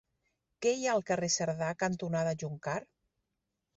Què hi ha al carrer Cerdà cantonada Joncar?